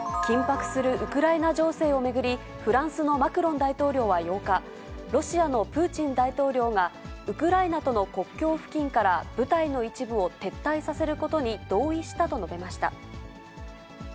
緊迫するウクライナ情勢を巡り、フランスのマクロン大統領は８日、ロシアのプーチン大統領がウクライナとの国境付近から部隊の一部を撤退させることに同意したと述べました。